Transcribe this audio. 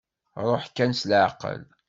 Ṛuḥ kan s leɛqel.